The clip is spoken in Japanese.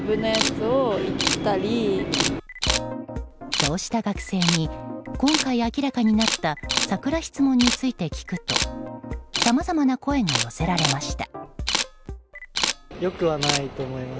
そうした学生に今回明らかになったサクラ質問について聞くとさまざまな声が寄せられました。